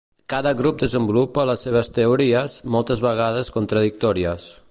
Cada grup desenvolupa les seves teories, moltes vegades contradictòries.